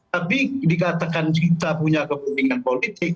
tapi dikatakan kita punya kepentingan politik